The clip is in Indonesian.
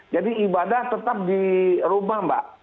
jadi ibadah tetap di rumah mbak